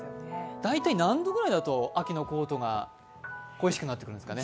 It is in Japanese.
大体何度ぐらいだと秋のコートが恋しくなってくるんですかね？